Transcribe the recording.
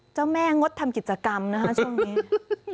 เจ้าแม่งดทำกิจกรรมนะคะช่วงนี้